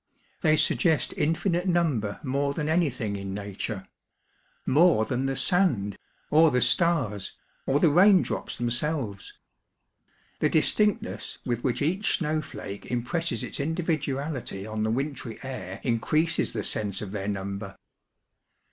They suggest infinite number more than anything in Nature ŌĆö more than the sand, or 470 WINTRY WEATHER, the stars, or the raindrops themselves. The distinctness with which each snowflake impresses its individoatity on the wintry air increases the sense of their number.